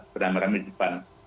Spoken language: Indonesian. berang arang di depan